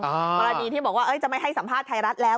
กรณีที่บอกว่าจะไม่ให้สัมภาษณ์ไทยรัฐแล้ว